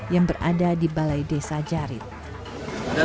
yang berada di balai dunia